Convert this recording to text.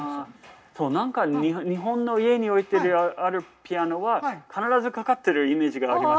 そう何か日本の家に置いてあるピアノは必ずかかってるイメージがあります。